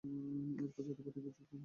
এর পর জাতীয় পার্টিতে যোগ দেন।